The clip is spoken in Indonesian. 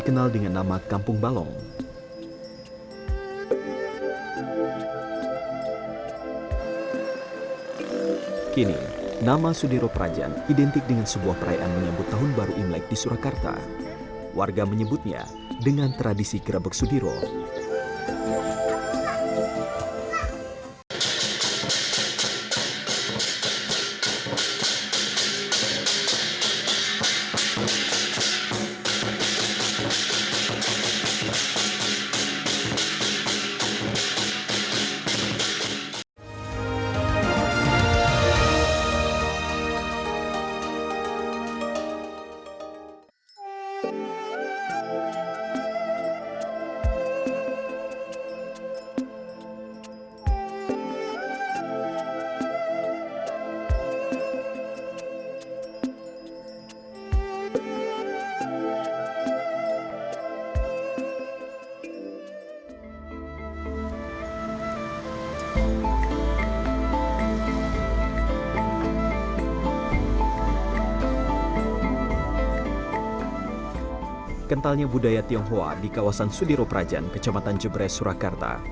kentalnya budaya tionghoa di kawasan sudiro prajan kecamatan jebre surakarta